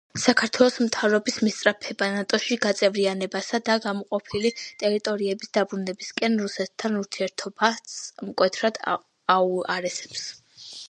საქართველოს მთავრობის მისწრაფება ნატოში გაწევრიანებასა და გამოყოფილი ტერიტორიების დაბრუნებისკენ რუსეთთან ურთიერთობას მკვეთრად აუარესებს.